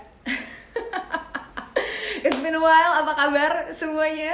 it's been a while apa kabar semuanya